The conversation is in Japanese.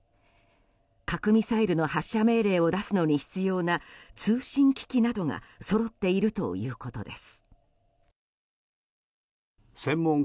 核ミサイルの発射命令を出すのに必要な通信機器などがそろっているということです。